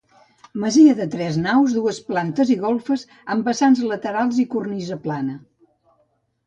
Masia de tres naus, dues plantes i golfes amb vessants a laterals i cornisa plana.